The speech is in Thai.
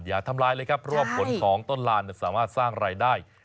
ทำลายเลยครับเพราะว่าผลของต้นลานสามารถสร้างรายได้